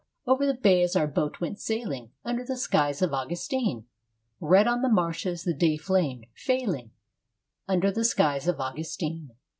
IV Over the bay as our boat went sailing Under the skies of Augustine, Red on the marshes the day flamed, failing Under the skies of Augustine.